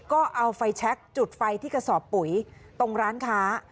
ก็เอาไฟแชคจุดไฟที่กระสอบปุ๋ยตรงร้านค้า